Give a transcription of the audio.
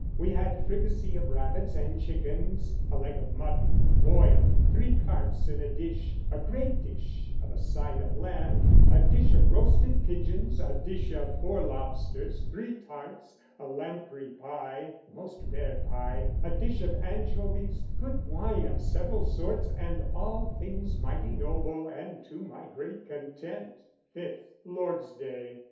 We had a fricasee of rabbits and chickens, a leg of mutton boiled, three carps in a dish, a great dish of a side of lambe, a dish of roasted pigeons, a dish of four lobsters, three tarts, a lamprey pie (a most rare pie), a dish of anchovies, good wine of several sorts, and all things mighty noble and to my great content. 5th (Lord's day).